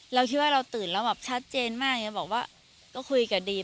เราคิดว่าเราตื่นแล้วแบบชัดเจนมากจะบอกว่าก็คุยกับดีม